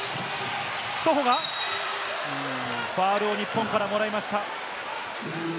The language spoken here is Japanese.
ソホがファウルを日本からもらいました。